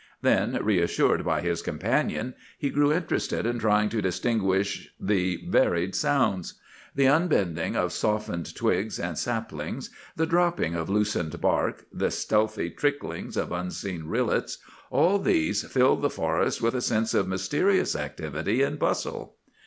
Then, reassured by his companion, he grew interested in trying to distinguish the varied sounds. The unbending of softened twigs and saplings, the dropping of loosened bark, the stealthy tricklings of unseen rillets—all these filled the forest with a sense of mysterious activity and bustle.